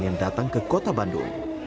yang datang ke kota bandung